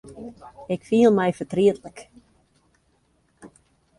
Ik fiel my fertrietlik.